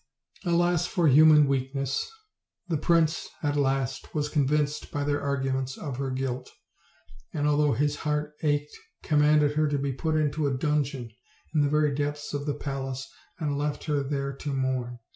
Alas for human weakness! The prince, at last, was convinced, by their arguments, of her guilt; and, al though his heart ached, commanded her to be put into a dungeon in the very depths of the palace, and left her there to mourn.